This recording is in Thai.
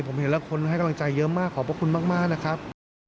ผมเห็นแล้วคนให้กำลังใจเยอะมากขอบพระคุณมากนะครับ